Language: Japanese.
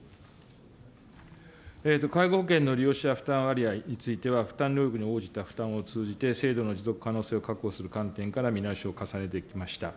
介護保険の利用者負担割合については、負担に応じた負担を通じて、制度の持続可能性を確保する観点から、見直しを重ねてきました。